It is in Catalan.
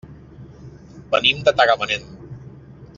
Venim de Tagamanent.